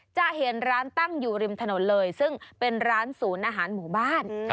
จะเห็นร้านตั้งอยู่ริมถนนเลยซึ่งเป็นร้านศูนย์อาหารหมู่บ้าน